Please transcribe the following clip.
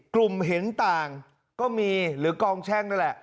เห็นต่างก็มีหรือกองแช่งนั่นแหละ